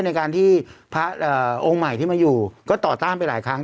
ในการที่พระองค์ใหม่ที่มาอยู่ก็ต่อต้านไปหลายครั้ง